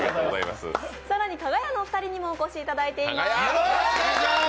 更に、かが屋のお二人にもお越しいただいています。